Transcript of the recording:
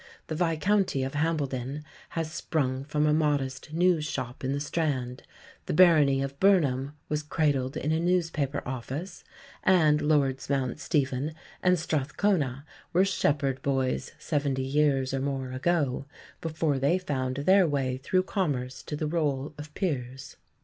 The Viscounty of Hambleden has sprung from a modest news shop in the Strand; the Barony of Burnham was cradled in a newspaper office; and Lords Mount Stephen and Strathcona were shepherd boys seventy years or more ago, before they found their way through commerce to the Roll of Peers.